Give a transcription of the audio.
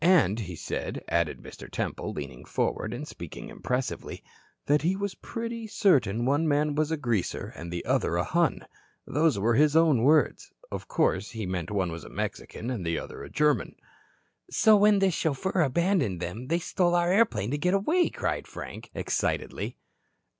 "And he said," added Mr. Temple, leaning forward and speaking impressively, "that he was pretty certain one man was a Greaser and the other a Hun. Those were his own words. Of course, he meant one was a Mexican and the other a German." "So when this chauffeur abandoned them they stole our airplane to get away," cried Frank excitedly.